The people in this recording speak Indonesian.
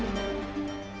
pusaka rahiang medang gumilang